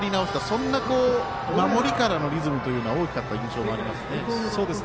そんな守りからのリズムというのが大きかった印象もありますね。